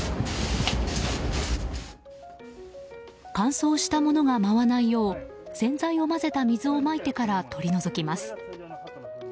乾燥したものが舞わないよう洗剤を混ぜた水をまいてから取り除きます。